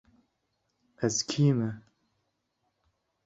Ez kî me?